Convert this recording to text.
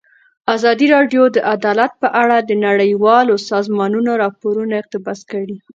ازادي راډیو د عدالت په اړه د نړیوالو سازمانونو راپورونه اقتباس کړي.